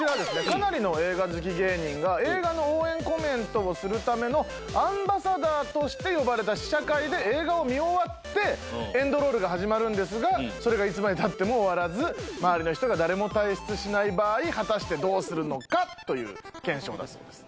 かなりの映画好き芸人が映画の応援コメントをするためのアンバサダーとして呼ばれた試写会で映画を見終わってエンドロールが始まるんですがそれがいつまで経っても終わらず周りの人が誰も退室しない場合果たしてどうするのかという検証だそうです。